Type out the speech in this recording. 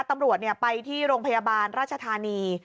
ตำรวจไปที่โรงพยาบาลราชธานี